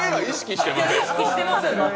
意識してません！